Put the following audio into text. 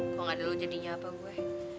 kok gak ada lu jadinya apa gue